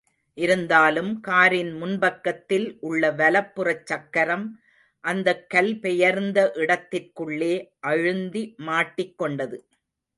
இருந்தாலும் காரின் முன்பக்கத்தில் உள்ள வலப்புறச் சக்கரம் அந்தக் கல் பெயர்ந்த இடத்திற்குள்ளே அழுந்தி மாட்டிக் கொண்டது.